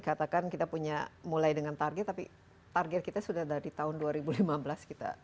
katakan kita punya mulai dengan target tapi target kita sudah dari tahun dua ribu lima belas kita